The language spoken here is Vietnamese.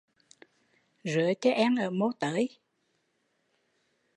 Rứa chơ eng ở mô tới